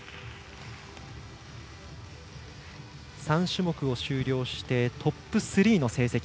３種目を終了してトップ３の成績。